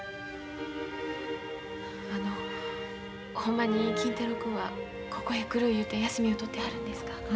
あのほんまに金太郎君はここへ来る言うて休みを取ってはるんですか？